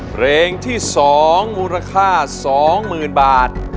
เพลงที่สองมูลค่าสองหมื่นบาท